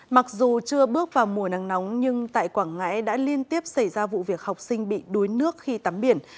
mặc dù chưa bước vào mùa nắng nóng nhưng tại quảng ngãi đã liên tiếp xảy ra vụ việc học sinh bị đuối nước khi tắm biển